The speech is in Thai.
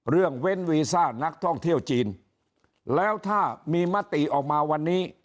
เว้นวีซ่านักท่องเที่ยวจีนแล้วถ้ามีมติออกมาวันนี้